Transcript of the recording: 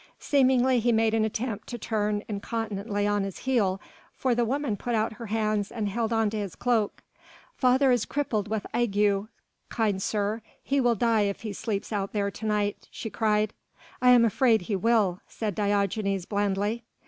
Seemingly he made an attempt to turn incontinently on his heel, for the woman put out her hands and held on to his cloak. "Father is crippled with ague, kind sir, he will die if he sleeps out there to night," she cried. "I am afraid he will," said Diogenes blandly.